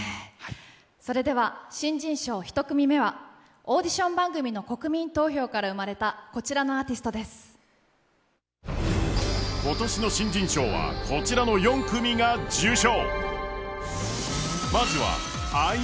それでは新人賞１組目はオーディション番組の国民投票から生まれた今年の新人賞はこちらの４組が受賞。